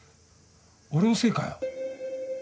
俺のせいかよ。